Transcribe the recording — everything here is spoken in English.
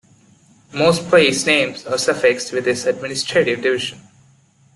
Most place names are suffixed with its administrative division.